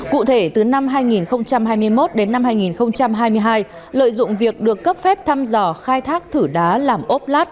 cụ thể từ năm hai nghìn hai mươi một đến năm hai nghìn hai mươi hai lợi dụng việc được cấp phép thăm dò khai thác thử đá làm ốp lát